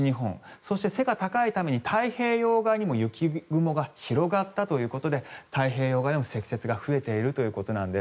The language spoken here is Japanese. そして、背が高いために太平洋側にも雪雲が広がったということで太平洋側でも積雪が増えているということなんです。